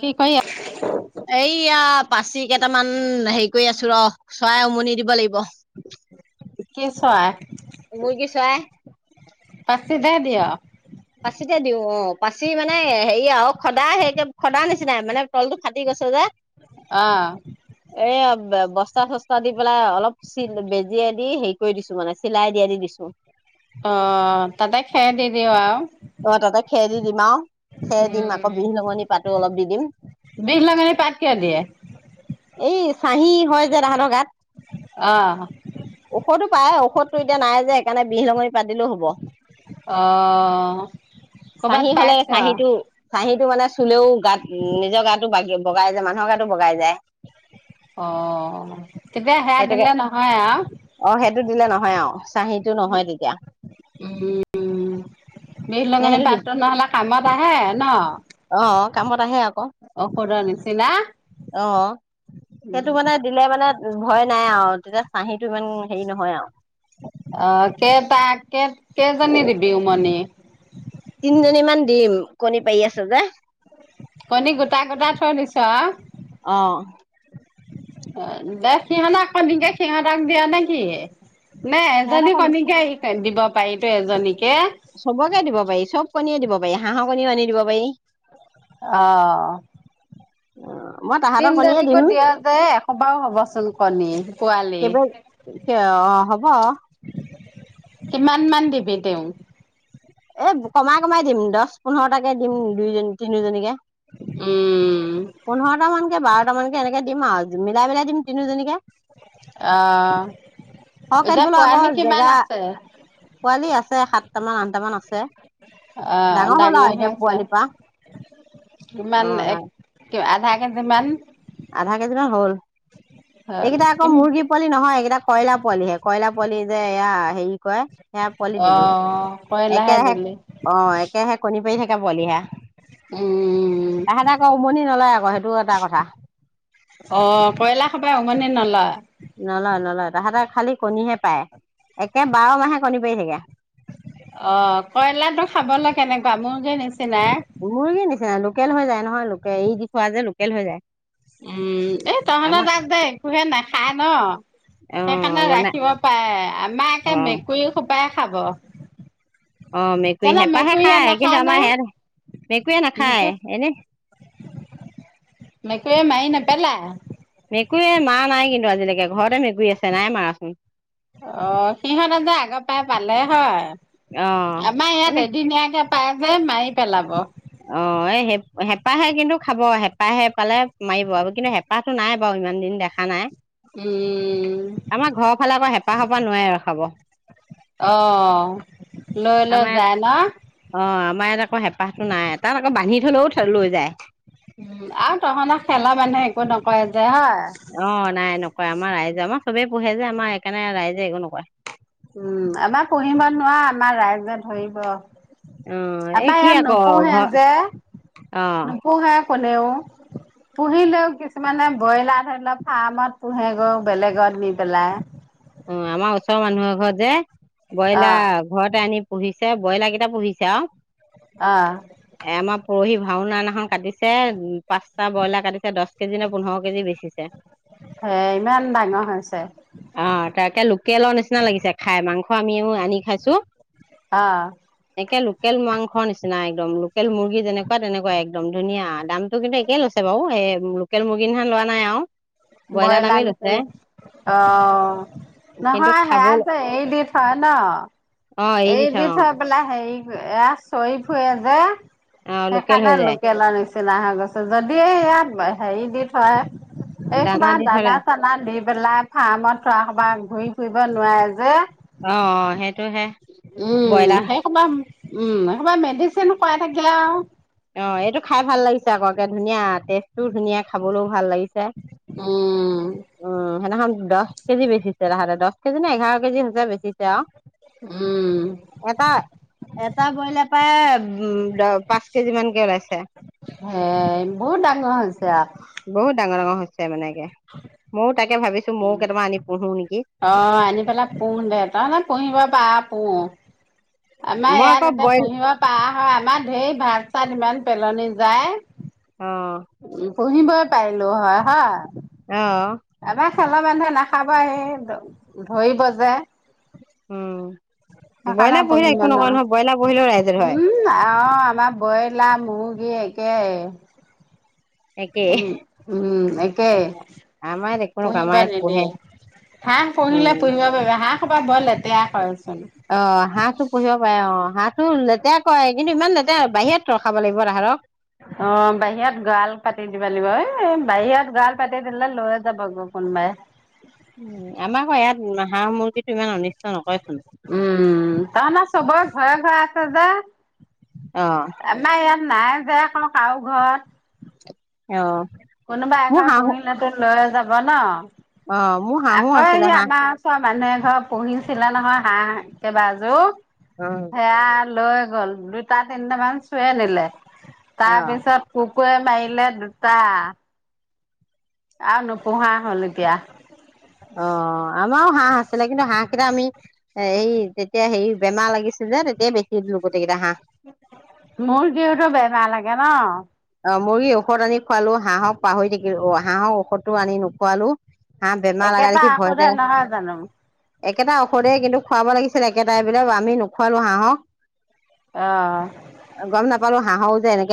কি কাইয়া এইয়া পাচি কেইটামান হেৰি কৰি আছো ৰ চৰাই উমনি দিব লাগিব। কি চৰাই? মুৰ্গী চৰাই পাচিতে দিয়। পাচিতে দিও অ পাচি মানে হেৰি আৰু খদা সেইে খদাৰ নিচিনাই, মানে তলতটো ফাটি গৈছো যে। আহ এই বস্তা চস্তা দি পেলাই অলপ চি বেজিয় দি হেৰি কৰি দিছো মানে চিলাই দিয়া দি দিছো। অ তাতে খেৰ দি দিওঁ আও। অ তাতে খেৰ দি দিম আও খেৰ দিম আকৌ উম, বিহ লগঙনি পাতো অলপ দি দিম। বিহ লগঙনি পাত কিয় দিয়ে এই চাহি হয় যে তাহাঁতৰ গাত। অ', ঔষধো পায় ঔষধ ত এতিয়া নাই যে সেকাৰণে বিহ লগঙী- অ কৰ'বাত চাহি হলে পাইছ চাহিটো চাহিটো মানে চুলেও গাত নিজৰ গাতটো বাগ বগাই যায় মানুহৰ গাতটো বগাই যায়। অ তেতিয়া হে দিলে নহয় আও টো দিলে নহয় আও চাহিটো নহয় তেতিয়া উম, বিহ নে লঙনি সেইটো দি পাতটো নহলে কামত আহে ন অ কামত আহে আকৌ ঔষধৰ নিচিনা উ মে ভয় নাই আৰু তেতিয়া চাহিটো ইমান হেৰি নহয় আও অ', কেইটা কেই কেইজনী দিবি উমনি তিনিজনীমান দিম কণী পাৰি আছে যে কণী গোটা গোটা থৈ দিছ অ দে সিহঁত আককে সিহঁতাক দিয়া নে কি [unintelligible] নাই সিহঁতৰ এজনী কণী কণীকে আহ দিব [unintelligible] পায়িতো এজনী চবকে দিব পাৰি চব কণীয়ে দিব পাৰি হাঁহৰ কণীও আনি দিব পাৰি অঁ অ মই তাহাঁতৰ কণীয়ে দিম তিনিজনীকো দিয়া যে এসোবাৰও হবচোন কণী পোৱালি কেইবা অ হ'ব [unintelligible] কিমান মান দিবি তেওঁ এ কমাই কমাই দিম দহ পোন্ধৰটাকে দিম দুইজনী তিনিওজনীকে উম, পোন্ধৰটা মানকে বাদ তাৰামান কে এনেকে দিম মিলাই মিলাই দিম তিনিজনীকে [unintelligible] অ সৰহ এতিয়া কাটিবলৈ আকৌ পোৱানি কিমান আছে [unintelligible] সাত আঠটামান আনটামান আছে অ' ডাঙৰ হল আৰু হৈ এতিয়া আছে। পোৱালিৰ পৰা অ ন কেইজনমান আধা কেজি মান হল হ'ল। এইকেইটা আকৌ কিম মুৰ্গী পোৱালি নহয় এইকেইটা [unintelligible] কয়লাৰ পোৱালিহে কয়লাৰ পোৱালি যে এয়া হেৰি কয় সেয়া পোৱলি দিলো অ' কয়লাহে একেহে দিলি। অ একেহে কণী পাৰি থাকে পোৱলিহে উম, তাহেতে আকৌ উমনি নলয় আকৌ সেইটো এটা কথা [unintelligible] অ কইলা খবাই উমনি নলাই নলয় নলয় তাহাঁতেৰ খালী কণীহে পায় একে বাৰ মাহে কণী পাৰি থাকে অ কইলাটো খাবলৈ কেনেকুৱা মোৰ যে নিচিনাই উমৰি কি নিচিনা লোকেল হৈ যায় নহয় লোকেল এই দি খোৱা যে লোকেল হৈ যায় উম এই তহত আমাৰ তাত যে একোহে নাখাই ন অ', সেইকাৰণে বনাই ৰাখিব পাৰে আমাৰ একে অ', মেকুৰী খোপাই খাব অ মেকুৰী জানো হেঁপাহে মেকুৰীয়ে খায় কিন্তু নাখায় নে আমাৰ সয়াত মেকুৰীয়ে নাখায় এনে এ মাই নেপেলাই মেকুৰীয়ে মাৰা নাই কিন্তু আজিলৈকে ঘৰতে মেকুৰী আছে নাই মাৰাচোন অ সিহঁতে যে আগৰ পৰাই পালে অ', হয় আমাৰ এনে ইয়াত এদিনীয়াকে পাই যায় মাৰি পেলাব। অ হেঁপাহে কিন্তু খাব হেঁপাহে পালে মাৰিব আৰু কিন্তু হেঁপাহটো নাই বাৰু ইমান দিন দেখা নাই। উম আমাৰ ঘৰৰ ফালে আকৌ হেঁপাহ সোপাহ নোৱাৰে ৰখাব অ লৈ লৈ আমাৰ যায় ন অ। মই আকৌ হেপাহ। নাই তাত আকৌ বান্ধি থলেও লৈ যায়। উম আৰু তহঁতৰ খেলৰ মানুহে একো নকয় যে হয় অ নাই ন। কয় আমাৰ ৰাইজে আমাৰ চবেই পোহে যে আমাৰ সেইকাৰণে ৰাইজে একো নকৰে। উম আমাৰ পুহিমিব নোৱাৰ। আমাৰ ৰাইজে ধৰিব। অ', এই আমাৰ কি ইয়াত আকৌ নোপোহে ঘৰ যে অ'। নোপোহে। কোনেও পুহিলেও কিছুমানে ব্ৰইলাৰ ধৰি লওক ফাৰ্মত পুহেগৈ বেলেগত নি পেলাই। অ আমাৰ ওচৰৰ মানুহৰ ঘৰ যে। অ ব্ৰইলাৰ ঘৰতে আনি। পুহিছে ব্ৰইলাৰ কেইটা পুহিছে আও। অহ। পৰহি ভাওনানাখন কাটিছে। পাঁচটা ব্ৰইলাৰ কাটিছে দহ। কেজি ন পোন্ধৰ কেজি বেচিছে। এ ইমান ডাঙৰ হৈছে। তেলৰ নিচিনা লাগিছে খাই মাংস আমিও আনি খাইছো। অহঁ। এনেকে লোকেল মাংসৰ নিচিনা একদম লোকেল মুৰ্গী যেনেকুৱা তেনেকুৱা একদম ধুনীয়া দামটো কিন্তু একেই লৈছে বাৰু এই লোকেল মুৰ্গীৰ নিখন লোৱা নাই আও। ব্ৰইলাৰনিছিনা অ। অ কিন্তু নহয় খাব সেয়াজ অ এ দি থয় ন এৰি এ থয় দি অ থৈ পেলাই হেৰি। এ চৰি ফুৰি যে। অ লোকেল হৈ সেইকাৰনে যায় লোকেল আনিছে। চিলা হৈ গছো যদি ইয়াত হেৰি দি থয়। এইহোপা দি থলে দানা চানা দি। পেলাই ফাৰ্মত থোৱা হোপা ঘূৰি ফুৰিব নোৱাৰে যে। অ সেইটো হে উম ব্ৰইলাৰ। সেই সোপা উম কবা মেডিচিন খুৱাই থাকে আও। অ এইটো খাই ভাল লাগিছে আককে ধুনীয়া টেষ্টটোও ধুনীয়া খাবলৈও ভাল লাগিছে। উম উম সেইদিনাখন দহ কেজি বেছি। দহ কেজি নে এঘাৰ কেজি হ হৈছে বেচিছে আ ও। উম এটা এটা বইলে প্ৰায় উম দ পাঁচ। মানকে ওলাইছে হেই বহুত ডাঙৰ হৈছে আও। বহুত ডাঙৰ ডাঙৰ হৈছে মানে তাকে মও তাকে ভাবিছো ময়ো উম কেইটামান আনি পুহো নেকি অ আনি পেলাই পোহ দে তাৰানে পুহিব পাৰ পো পো অ আমাৰ মই ইয়াত এয়াত আকৌ এটা বইল পুহিব পাৰা হয় আমাৰ ঢেৰ ভাত চাত ইমান পেলনি যায় অ পুহিবই পাৰিলো হয় হয় অহ আমাৰ খেলা মানুহে নাখাবা হে ধৰিব যে উম হেকানে ব্ৰইলাৰ পুহিলে পুহিব একো নকয় নহয় ব্ৰইলাৰ পুহিলেও ৰাইজৰ নোৱাৱ হয় উম আহ আমাৰ বয় ব্ৰইলা মুৰ্গী একে একেই উম উম একে আমাৰ ইয়াত একো নকয় পুহিব আমাৰ ইয়াত পোহে নিদিয়ে হাঁহ উম পুহিলে পুহিব পাৰিবা হাঁহ হোপা বহুত লেতেৰা কৰে। অ হাঁহটো পুহিব পাৰে অ হাঁহ উম লেত লেতেয়া কয় কিন্তু ইমান এতেয়া বাহিৰত ৰখাব লাগিব তাহঁতক অ এ বাহিৰত গৱাল পাতি দিলে লৈয়ে যাব গৈ কোনোবাই। উম আমাৰ আক ইয়াত হাঁহ মূৰ্গীটো ইমান অনিষ্ট নকয়। উম তাত চবৰে ঘৰে ঘৰে আছে যে অ আমাৰ এইয়াত নাই যে কাৰো ঘৰত অ কোনোবা মোৰ এঘৰ হাঁহো পোহিল তো লৈয়ে যাব ব ন অ মোৰ হাঁহো আকৌ আছিলে সি হাঁহ আমাৰ ওচৰ মানুহে ঘৰ পোহি আছিলে নহয় হাঁহ কেইবা এযোৰ উম সেয়া লৈ গ'ল দুটা তিনিটা মান চুৰে নিলে তাৰ অ পিছত কুক কুকুৱে মাৰিলে দুটা আৰু নোপোহা হ'ল এতিয়া। অ আমাৰো হাঁহ আছিলে কিন্তু হাঁহ কেইটা আমি হেৰি তেতিয়া হেৰি বেমাৰ লাগিছিল যে তেতিয়াই বেছি দিলো গোটেই কেইটা হাঁহ মৰ্গী হেতৰ বেমাৰ লাগে ন অ মুৰ্গী ঔষধ আনি খোৱালো হাঁহক পাহৰি থাকিলো। অ হাঁহৰ ঔষধটো আনি নোখোৱালো। হাঁহ বেমাৰ লগা একেটা দেখি ঔষধে ভয়তে নহয় জানো একেটা ঔষধে কিন্তু খুৱাব লাগিছিল। ছিল একেটাইবিলাক আমি নোখোৱালো হাঁহক। আহ। হা হ যে এনেক।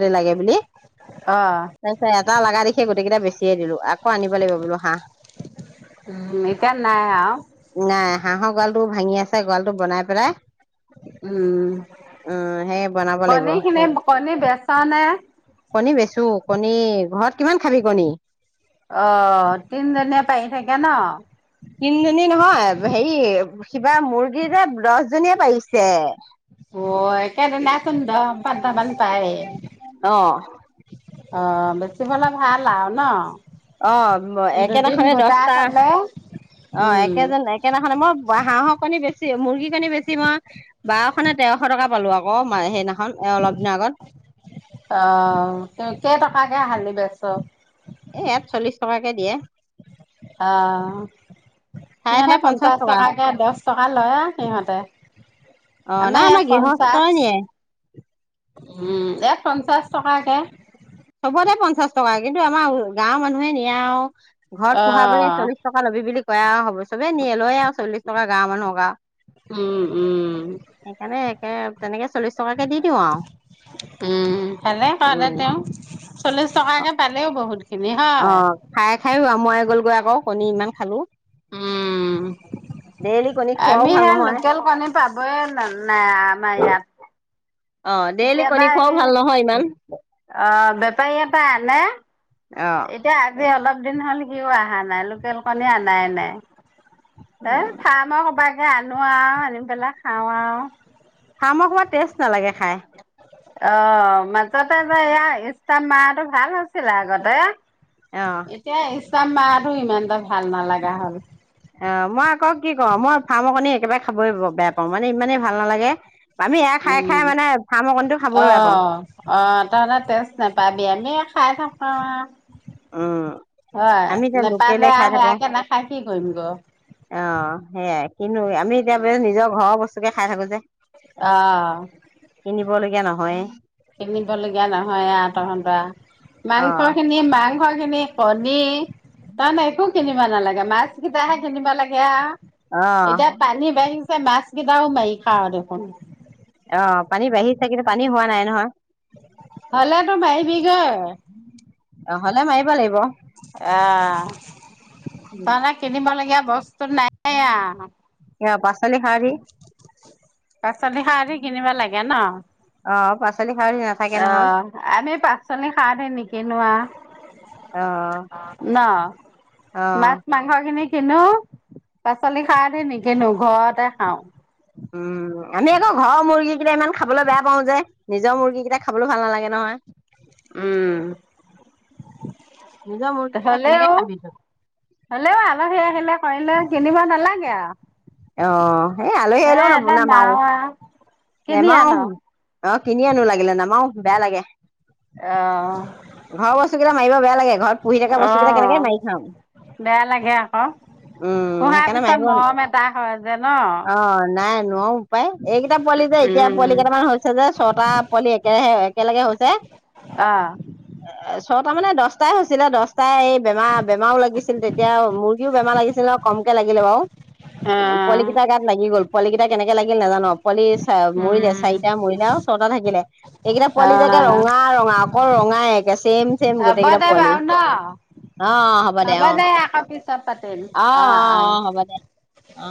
তে লাগে বুলি, অ তাৰপিছত এটা লগা দেখি গোটেই কেইটা বেছি। চৰিলো। আনিব লাগিব বোলো হাঁহ, উম এতিয়া নাই আও নাই হাঁহৰ গ। ভাঙি আছে গৰাল টো বনাই পেলাই। উম উম সেই বনাব লাগিব কণী খিনি কণী বস। চান। [unintelligible] কণী বেচো কণী ঘৰত কিমান খাবি কণী। অ তিনজনীয়ে পাৰি থাকে ন। [unintelligible] তিনিজনী নহয় হেৰি, কিবা মুৰ্গী যে দহজনীয়ে পাৰিছে। অ একেদিনা। [unintelligible] কধ বানদামান পায়। অ [unintelligible] অ বেছি পালে ভাল আৰু ন। [unintelligible] অ দুদিন একেদিনাখনে গোটাই দহটা, থলে অ উম একেজন একেদিখনে মই হাঁহৰ কণী বেছি মুৰ্গী। কি কনি বেছি মই বাৰশ নে তেৰশ টকা পালো আকৌ সেইদিনাখন এ অলপ দিনৰ আগত। [unintelligible] অ কেই টকাকে খালি বেচ। [unintelligible] এ ইয়াত চল্লিশ টকাকে দিয়ে। অ, ঠায়ে সিহঁতে ঠায়ে পঞ্চাশ টকা টকাকে দহ টকা লয় আৰু সিহঁতে অ আমাৰ নাই ইয়াত পঞ্চাশ। গৃহস্থই নিয়ে [unintelligible] উম এক পঞ্চাশ টকাকে। চবতে পঞ্চাশ টকা কিন্তু আমাৰ গাঁৱৰ মানুহে নিয়া আৰু। ঘৰত অ পোহা বুলি চল্লি টকা ল'বি বুলি কয় হ'ব চবে নিয়ে লয় আৰু চল্লিছ। [unintelligible] গাঁৱ মানুহনক আৱ [unintelligible] উম উম সেইকাৰণে একে তেনেকে চল্লিশ টকাকে দি দিওঁ আৰু, উম উম। চল্লিছ টকাকে পালেও বহুত। খিনি অ হয় খাই খাইও আ। [unintelligible] মই গ'লগৈ আকৌ কণী ইমান খালো। উম, ডেইলি কণী খোৱাও আমি ভাল সে নহয় লোকেল কণী পাবই নাই আমাৰ ইয়াত। অ ডেইলি কেতিয়াবা কণী খোৱাও আহে, ভাল নহয় ইমান অ বেপাৰীয়ে পা আনে। [unintelligible] অ এতিয়া আজি অলপ। দিন হ'ল সিও অহা নাই লোকেল কণী অনাই নাই। এ খাই মই সব। [unintelligible] তাকে আনো আৰু আনি পেলাই খাও আৰু। হাঁহ মাংসত টেষ্ট নালাগে খায়। অ মাজতে যে ইয়াৰ ইষ্টাৰ্ত মাৰাটো ভাল হৈছিলে আগতে। অ এতিয়াই ই তাত মাৰটো ইমান এটা ভাল নালাগা হ'ল। অ মই আকৌ কি কম মই ফাৰ্মৰ কণি একেবাৰে খাবই বেয়া পাওঁ মানে ইমানেই ভাল নালাগে আমি এয়া খাই খাই উম মানে ফাৰ্মৰ কণীটো খাবই অ বেয়া পাওঁ অ তাৰে তেচ নাপায়। এনেই খাই থাকা আৰু উম হয় আমি এতিয়া লোকেলে নেপালে খাই আৰু থাকো সেয়াকে নাখায় কি কৰিম গৈ। অ সেয়াই কিনো আমি এতিয়া বে নিজৰ ঘৰৰ বস্তুকে খাই থাকো যে অ'। কিনিবলগীয়া নহয়ে। কিনিবলগীয়া নহয়‌ আৰ তহতৰ। অ মাংস খিনি মাংস খিনি পনিৰ তাৰমানে একো কিনিব নালাগে মাছ কেইটাহে কিনিব লাগে আৰু অ এতিয়া পানী বাঢ়ি মাছকেইটা মাৰি খাওঁ দেখোন। অ পানী বাঢ়িছে কিন্তু পানী হোৱা নাই নহয়। হলে তোৰ পাৰিবিগৈ অ হলে মাৰিব লাগিব অহ নহলে কিনিব লগীয়া হ'ব। ত নাই। এ বা পাচলি খালি কিনিবা লাগে ন। অ পাচলি সাৰ দি নাথাকে অ নহয় আমি পাচলি সাৰ দি নিকিনোৱা অ ন অ মাছ মাংস খিনি কিনো পাচলি খাৰ দি নিকিনো ঘৰতে খাওঁ। উম আমি আকৌ ঘৰৰ মুৰ্গী কেইটা ইমান খাবলৈ বেয়া পাও যে নিজৰ মুৰ্গী কেইটা খাবলৈও ভাল নালাগে নহয়। উ। নিজৰ মুৰ্গী কেইটা কেনেকে হ'লেও খাবি তই? হ'লেও আলহী আহিলে কৰিলে কিনিব নালাগে আৰু অ। সেই আলহী হে আহিলেও নবনা‌ এটা নেমাৰু নাও আৰু কিনি নেমাও। আনক অ কিনি আনো লাগিলে নামাৰো বেয়া লাগে। অ ঘৰৰ বস্তু কেইটা মাৰিব বেয়া লাগে ঘৰত পুহি থকা অ বস্তু কেইটা কেনেকে মাৰি খাম বেয়া লাগে আকৌ উম পোহাৰ সেইকাৰণে পিছত মাৰিব মৰম এটা হয় যে ন অ নাই নোৱাৰো পায় এইকেইটা পোৱালি যে এতিয়া উম পোৱালি কেইটামান হৈছে যে ছটা পোৱালি একেৰাহে একেলগে হৈছে [unintelligible] আহঁ ছটা মানে দহটাই হৈছিলে দহটাই এই [unintelligible] বেমাৰ বেমাৰও লাগিছিল তেতিয়া মুৰ্গীও বেমাৰ লাগিছিলে কমকে লাগিলে বাৰু উ পোৱালি কিটা গাত লাগি গল [unintelligible] পোৱালিকেইটা কেনেকে লাগিল নাজানো আও [unintelligible] পোৱালি চ মৰিলে চাৰিটা মৰিলে আৰু ছটা থাকিলে এইকেইটা অ অ পোৱালি যোকে ৰঙা ৰঙা অকল ৰঙাই একে চছেম চছেম হ'ব গোটেইকেইটা দে পোৱালি বাৰু ন অ হ'ব দে অ আহ অ অ হ'ব দে [unintelligible] অ